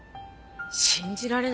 信じられない。